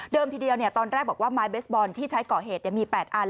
เดิมทีเดียวเนี่ยตอนแรกบอกว่าไม้เบสบอลที่ใช้ก่อเหตุเนี่ยมี๘อัน